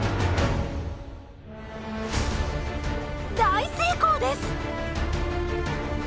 大成功です！